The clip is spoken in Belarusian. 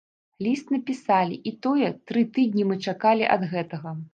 Ліст напісалі, і тое, тры тыдні мы чакалі ад гэтага.